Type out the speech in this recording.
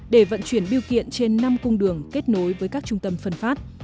để vận chuyển biêu kiện trên năm cung đường kết nối với các trung tâm phân phát